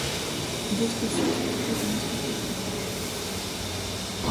D'autres sources proposent une autre hypothèse.